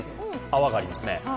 泡がありますね。